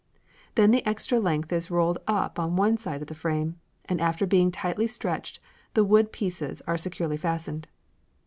Then the extra length is rolled up on one side of the frame, and after being tightly stretched, the wooden pieces are securely fastened.